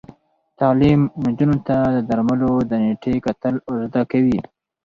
تعلیم نجونو ته د درملو د نیټې کتل ور زده کوي.